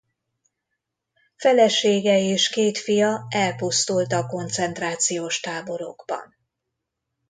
Felesége és két fia elpusztult a koncentrációs táborokban.